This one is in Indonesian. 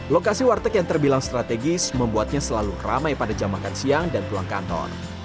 lokasi warteg yang terbilang strategis membuatnya selalu ramai pada jam makan siang dan pulang kantor